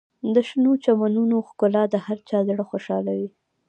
د شنو چمنونو ښکلا د هر چا زړه خوشحالوي.